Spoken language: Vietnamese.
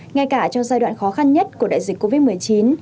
ngay cả trong giai đoạn khó khăn nhất của đại dịch covid một mươi chín